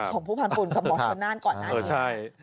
ของผู้พันธุ์ภูมิกับหมอชนน่านก่อนนะ